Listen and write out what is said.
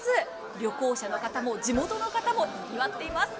旅行者の方も地元の方もにぎわっています。